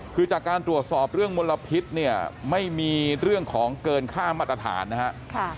คือจากการตรวจสอบเรื่องมลพิษเนี่ยไม่มีเรื่องของเกินค่ามาตรฐานนะครับ